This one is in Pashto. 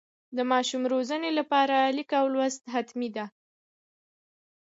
د ماشوم روزنې لپاره لیک او لوست حتمي ده.